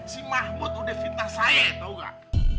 si mahmud udah fitnah saya tau gak